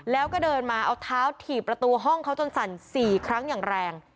แล้วก็เดินมาเอาเท้าถี่ประตูห้องเขาจนสั่น๔ครั้งอย่างแรง